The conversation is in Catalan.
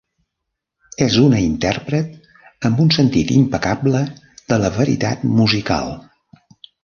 És una intèrpret amb un sentit impecable de la veritat musical.